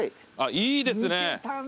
いいですね。